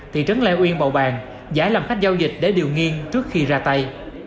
thị trấn lê uyên bầu bàn giải làm khách giao dịch để điều nghiên trước khi ra tay